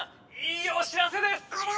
いいお知らせです！